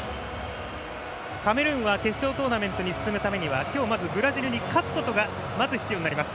カメルーンは決勝トーナメントに進むためには今日ブラジルに勝つことがまず必要になります。